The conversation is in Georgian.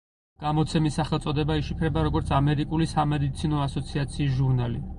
გამოცემის სახელწოდება იშიფრება, როგორც ამერიკული სამედიცინო ასოციაციის ჟურნალი.